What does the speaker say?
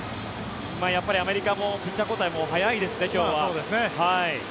アメリカもピッチャー交代も早いですね、今日は。